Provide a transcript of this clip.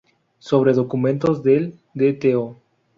Sobre documentos del Dto.